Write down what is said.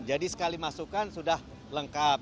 jadi sekali masukkan sudah lengkap